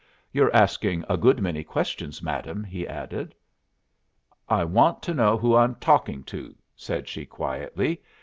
"You're asking a good many questions, madam," he added. "I want to know who I'm talking to," said she, quietly.